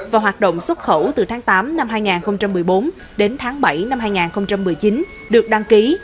và hoạt động xuất khẩu từ tháng tám năm hai nghìn một mươi bốn đến tháng bảy năm hai nghìn một mươi chín được đăng ký